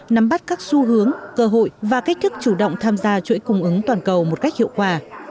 nắm bắt các xu hướng cơ hội và cách thức chủ động tham gia chuỗi cung ứng toàn cầu một cách hiệu quả